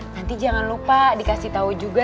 nanti jangan lupa dikasih tahu juga